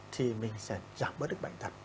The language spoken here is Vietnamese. thì mình sẽ giảm bớt được bệnh tật